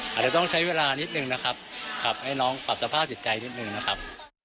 อาจจะต้องใช้เวลานิดนึงนะครับให้น้องปรับสภาพจิตใจนิดนึงนะครับ